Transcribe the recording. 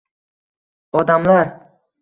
Odamlar!